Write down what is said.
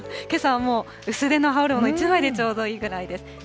けさはもう、薄手の羽織るもの１枚でちょうどいいぐらいです。